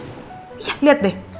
iya liat deh